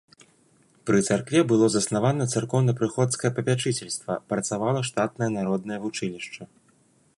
Пры царкве было заснавана царкоўна-прыходскае папячыцельства, працавала штатнае народнае вучылішча.